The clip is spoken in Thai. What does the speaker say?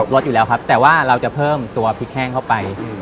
รสอยู่แล้วครับแต่ว่าเราจะเพิ่มตัวพริกแห้งเข้าไป